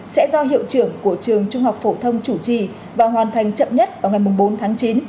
sẽ do hiệu trưởng của trường trung học phổ thông chủ trì và hoàn thành chậm nhất vào ngày bốn tháng chín